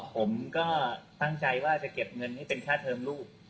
ผมก็ตั้งใจว่าจะเก็บเงินให้เป็นค่าเทิมลูก